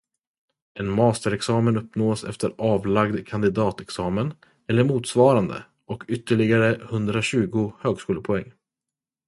En masterexamen uppnås efter avlagd kandidatexamen, eller motsvarande, och ytterligare hundratjugo högskolepoäng.